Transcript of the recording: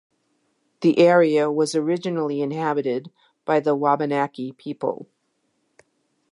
The area was originally inhabited by the Wabanaki people.